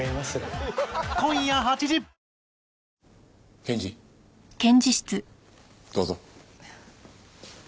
検事どうぞ。